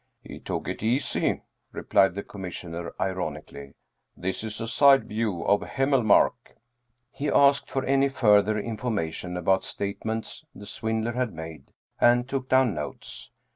" He took it easy," replied the Com 28 Dietrich Theden missioner ironically. " This is a side view of Hemmel mark." He asked for any further information about statements the swindler had made, and took down notes.